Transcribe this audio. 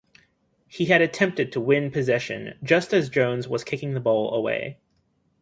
He had attempted to win possession just as Jones was kicking the ball away.